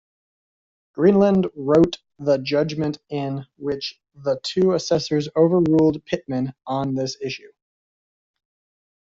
Greenland wrote the judgement in which the two assessors over-ruled Pitman on this issue.